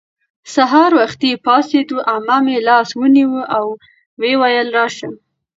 سهار وختي پاڅېدو. عمه مې لاس ونیو او ویې ویل:راشه